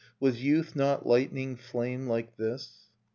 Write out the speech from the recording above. Was youth not lightning flame like this?